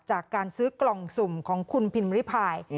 จากการซื้อกล่องสุ่มของคุณพิมริพาย